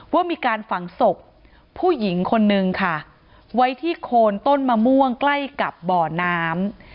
ว่ามีการฝังศพผู้หญิงคนนึงค่ะไว้ที่โคนต้นมะม่วงใกล้กับบ่อน้ำ